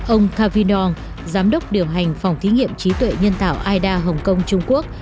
ông cavinong giám đốc điều hành phòng thí nghiệm trí tuệ nhân tạo aida hồng kông trung quốc